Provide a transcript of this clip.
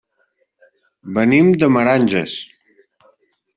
Venim de Meranges.